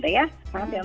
dari hasil impor gitu ya